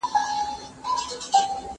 که وخت وي، انځورونه رسم کوم!؟